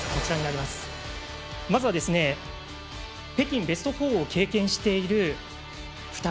まずは、北京ベスト４を経験している２人。